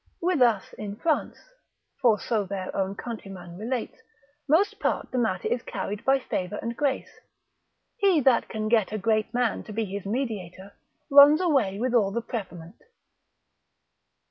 With us in France (for so their own countryman relates) most part the matter is carried by favour and grace; he that can get a great man to be his mediator, runs away with all the preferment.